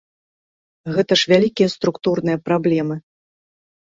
Гэта ж вялікія структурныя праблемы.